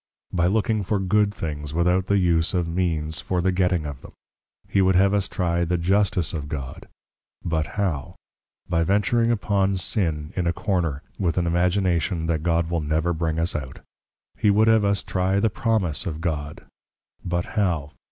By looking for good things, without the use of Means for the getting of them. He would have us trie the Justice of God; but how? By venturing upon Sin in a Corner, with an Imagination that God will never bring us out. He would have us trie the Promise of God; but how?